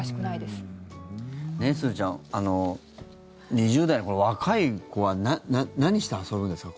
すずちゃん２０代の若い子は何して遊ぶんですか？